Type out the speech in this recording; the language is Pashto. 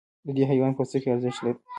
د دې حیوان پوستکی ارزښت لري.